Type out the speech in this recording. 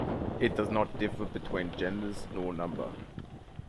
It does not differ between genders nor number.